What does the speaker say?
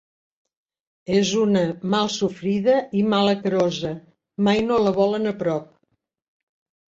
És una malsofrida i malacarosa, mai no la volen a prop.